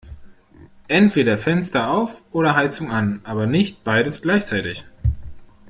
Entweder Fenster auf oder Heizung an, aber nicht beides gleichzeitig!